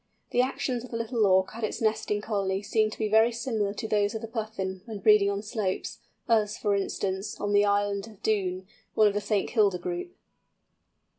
The actions of the Little Auk at its nesting colony, seem to be very similar to those of the Puffin when breeding on slopes, as, for instance, on the island of Doon, one of the St. Kilda group.